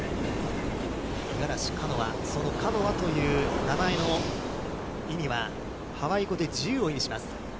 五十嵐カノア、そのカノアという名前の意味は、ハワイ語で自由を意味します。